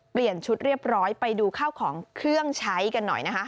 เปลี่ยนชุดเรียบร้อยไปดูข้าวของเครื่องใช้กันหน่อยนะคะ